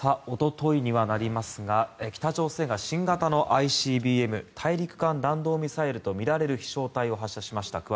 おとといになりますが北朝鮮が新型のＩＣＢＭ・大陸間弾道ミサイルとみられる飛翔体を発射しました。